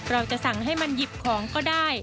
เราจะสั่งให้มันหยิบของก็ได้